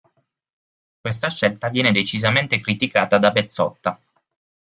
Questa scelta viene decisamente criticata da Pezzotta.